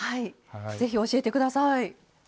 ぜひ教えてください。